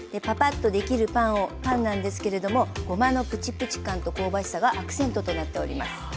パパッとできるパンなんですけれどもごまのプチプチ感と香ばしさがアクセントとなっております。